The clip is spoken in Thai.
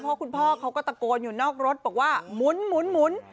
เพราะคุณพ่อเขาก็ตะโกนอยู่นอกรถบอกว่าหมุน